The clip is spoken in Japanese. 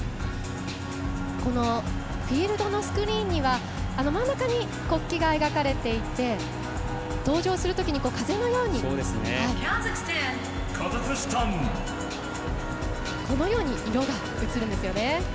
フィールドのスクリーンには真ん中に国旗が描かれていて登場するときに風のように色がうつるんですよね。